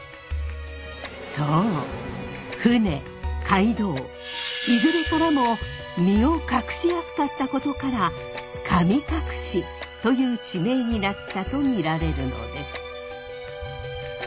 そう船街道いずれからも身を隠しやすかったことから神隠という地名になったと見られるのです。